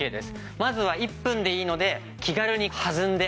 まずは１分でいいので気軽に弾んでみてください。